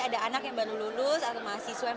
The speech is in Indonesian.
ada anak yang baru lulus atau mahasiswa yang